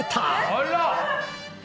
あら！